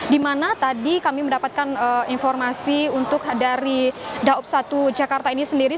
di mana tadi kami mendapatkan informasi untuk dari daob satu jakarta ini sendiri